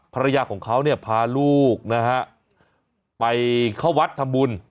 ภรรยาของเขาพาลูกไปเข้าวัดทำบุญ